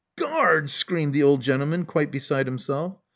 *' Guard," screamed the old gentleman, quite beside himself.